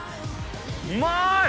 うまい！